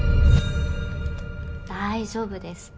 大丈夫です。